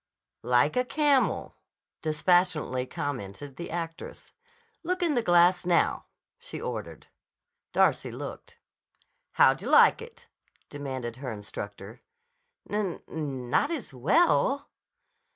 "Like a camel," dispassionately commented the actress. "Look in the glass now," she ordered. Darcy looked. "How d'you like it?" demanded her instructor. "N—not as well."